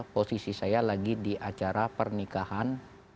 posisi saya lagi di acara pernikahan